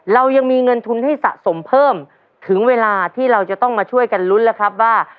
เรายังมีเงินทุนให้สะสมเพิ่มถึงเวลาที่เราจะต้องมาช่วยกันลุ้นแล้วครับว่า